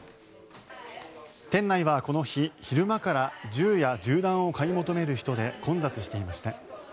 店内はこの日、昼間から銃や銃弾を買い求める人で混雑していました。